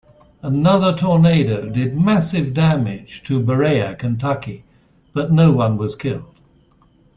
Another tornado did massive damage to Berea, Kentucky but no one was killed.